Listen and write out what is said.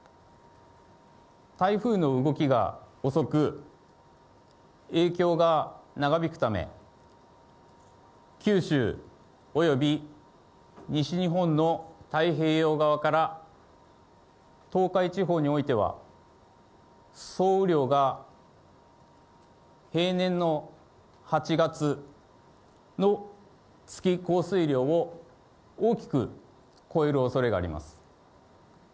台風の動きが遅く、影響が長引くため、九州および西日本の太平洋側から東海地方においては、総雨量が平年の８月の月降水量を大きく超えるおそれがあります。